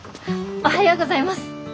おはようございます。